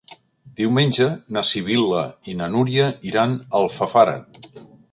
Diumenge na Sibil·la i na Núria iran a Alfafara.